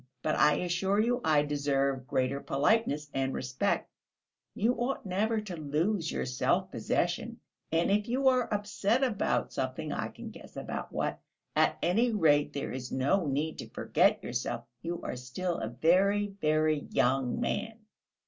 But I assure you I deserve greater politeness and respect! You ought never to lose your self possession, and if you are upset about something I can guess what about at any rate there is no need to forget yourself.... You are still a very, very young man!..."